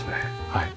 はい。